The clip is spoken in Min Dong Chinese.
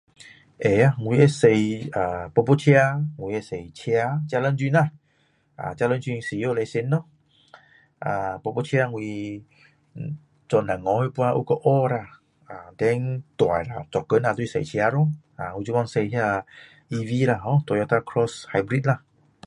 会呀我会驾电单车我会驾车这两种啦这两种需要 license 电单车我做小孩的那个时候我有去学 then 长大了做工了就驾车我现在驾 EV 啦 hor tomato cross hybrid 啦